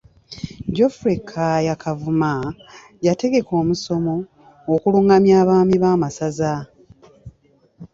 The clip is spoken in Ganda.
Godfrey Kaaya Kavuma, yategeka omusomo okulungamya abaami ab'amasaza.